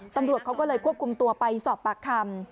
ตำรวจเขาก็เลยควบคุมตัวไปสอบปากคำ